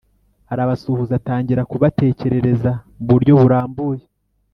Arabasuhuza atangira kubatekerereza mu buryo burambuye